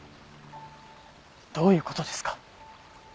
どういう事ですか？